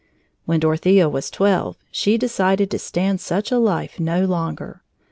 When Dorothea was twelve, she decided to stand such a life no longer.